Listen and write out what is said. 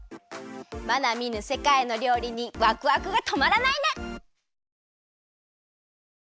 まだみぬせかいのりょうりにわくわくがとまらないね！